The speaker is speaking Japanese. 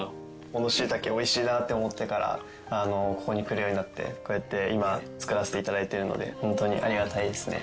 このしいたけおいしいなって思ってからここに来るようになってこうやって今作らせて頂いてるのでホントにありがたいですね。